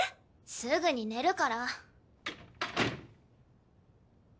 すぐに寝るから。